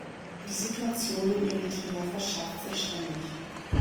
Die Situation in Eritrea verschärft sich ständig.